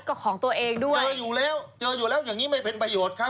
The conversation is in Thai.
ก็ของตัวเองด้วยเจออยู่แล้วเจออยู่แล้วอย่างนี้ไม่เป็นประโยชน์ครับ